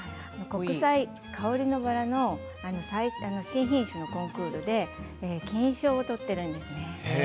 香りのバラの新品種のコンクールで金賞を取っているんですね。